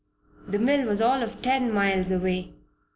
The mill was all of ten miles away.